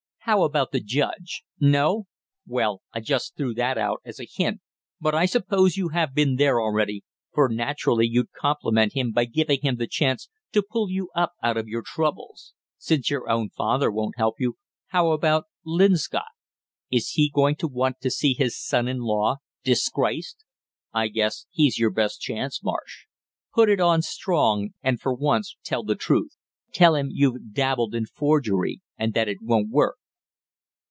How about the judge, no? Well, I just threw that out as a hint, but I suppose you have been there already, for naturally you'd compliment him by giving him the chance to pull you up out of your troubles. Since your own father won't help you, how about Linscott? Is he going to want to see his son in law disgraced? I guess he's your best chance, Marsh. Put it on strong and for once tell the truth. Tell him you've dabbled in forgery and that it won't work!"